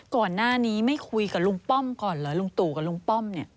ก่อนหน้านี้ไม่คุยกับลุงป้อมก่อนเหรอลุงตู่กับลุงป้อมเนี่ย